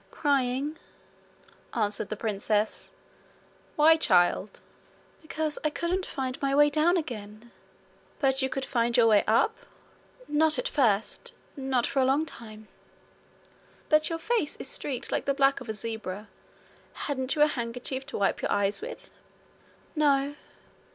'Crying,' answered the princess. 'Why, child?' 'Because I couldn't find my way down again.' 'But you could find your way up.' 'Not at first not for a long time.' 'But your face is streaked like the back of a zebra. Hadn't you a handkerchief to wipe your eyes with?' 'No.'